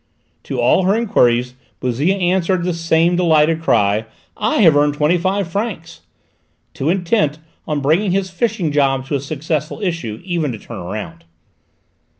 To all her enquiries Bouzille answered with the same delighted cry, "I have earned twenty five francs," too intent on bringing his fishing job to a successful issue even to turn round.